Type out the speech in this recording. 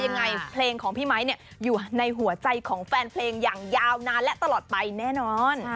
ยังไงเพลงของพี่ไมค์อยู่ในหัวใจของแฟนเพลงอย่างยาวนานและตลอดไปแน่นอน